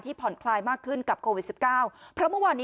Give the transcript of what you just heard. ผ่อนคลายมากขึ้นกับโควิดสิบเก้าเพราะเมื่อวานนี้